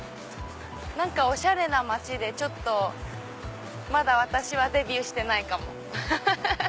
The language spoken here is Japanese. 何かおしゃれな街でまだ私はデビューしてないかもフフフフ。